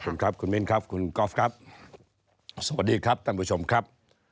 ครับคุณมิ้นครับคุณกอล์ฟครับสวัสดีครับท่านผู้ชมครับ